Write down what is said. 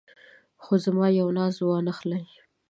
خو زما یو ناز وانه خلې.